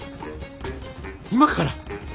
今から？